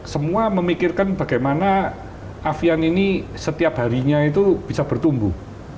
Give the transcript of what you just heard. semua memikirkan bagaimana asean ini setiap harinya itu bisa bertumbuh